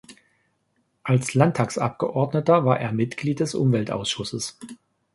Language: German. Als Landtagsabgeordneter war er Mitglied des Umweltausschusses.